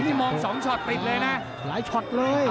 นี่มอง๒ช็อตติดเลยนะหลายช็อตเลย